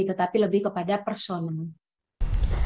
tetapi lebih kepada personal